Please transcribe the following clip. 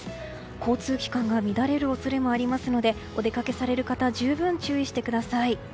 交通機関が乱れる恐れもありますのでお出かけされる方十分注意してください。